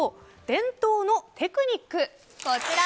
伝統のテクニック。